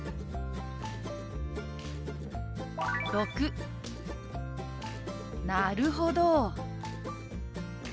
⑥「なるほど！」。